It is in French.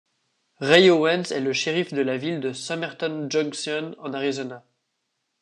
Ray Owens est le shérif de la ville de Sommerton Junction, en Arizona.